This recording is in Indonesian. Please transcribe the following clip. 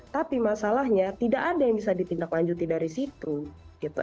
tapi masalahnya tidak ada yang bisa ditindaklanjuti dari situ gitu